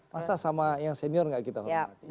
masa sama yang senior gak kita hormati